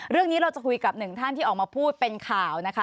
เรื่องนี้เราจะคุยกับหนึ่งท่านที่ออกมาพูดเป็นข่าวนะคะ